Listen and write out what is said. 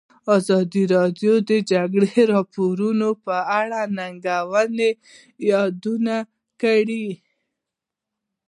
ازادي راډیو د د جګړې راپورونه په اړه د ننګونو یادونه کړې.